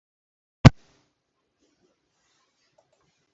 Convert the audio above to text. Construction was delayed for many years due to environmental concerns.